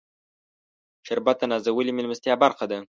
شربت د نازولې میلمستیا برخه ده